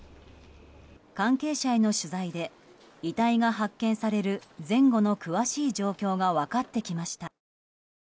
関係者への取材で遺体が発見される前後の詳しい状況が分かってきました。